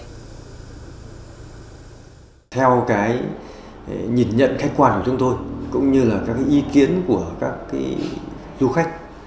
theo nhìn nhận khách quan của chúng tôi cũng như ý kiến của các du khách